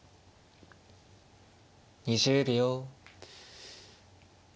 ２０秒。